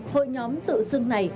hội nhóm tự xưng này